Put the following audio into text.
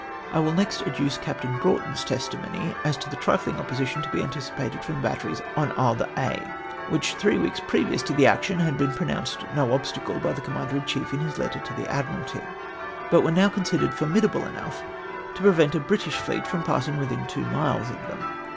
I will next adduce Captain Broughton's testimony as to the tiifling opposition to be anticipated from the batteries on Isle d'Aix, which three weeks previous to the action had been pronounced " no obstacle " by the Commander in chief, in his letter to the Admiralty*, but were now considered formidable enough to pre vent a British fleet from passing within two miles of them